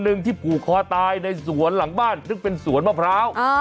หนึ่งที่ผูกคอตายในสวนหลังบ้านซึ่งเป็นสวนมะพร้าว